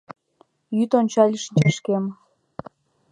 Йӱд ончале шинчашкем.